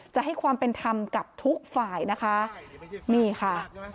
จะให้ความเป็นธรรมกับทุกฝ่ายนะคะนี่ค่ะ